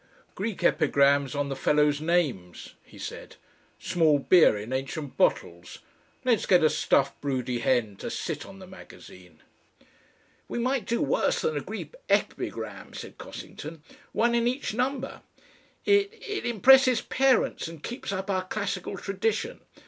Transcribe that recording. "Greek epigrams on the fellows' names," he said. "Small beer in ancient bottles. Let's get a stuffed broody hen to SIT on the magazine." "We might do worse than a Greek epigram," said Cossington. "One in each number. It it impresses parents and keeps up our classical tradition.